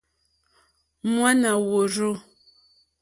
Ŋwáná wùrzû.